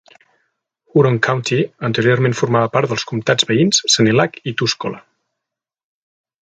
Huron County anteriorment formava part dels comtats veïns Sanilac i Tuscola.